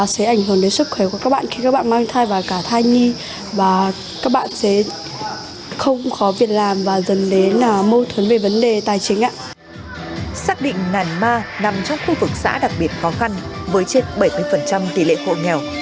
xác định nàn ma nằm trong khu vực xã đặc biệt khó khăn với trên bảy mươi tỷ lệ khổ nghèo